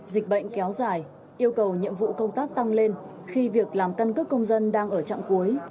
dịch bệnh kéo dài yêu cầu nhiệm vụ công tác tăng lên khi việc làm căn cước công dân đang ở trạm cuối